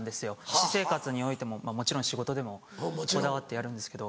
私生活においてももちろん仕事でもこだわってやるんですけど。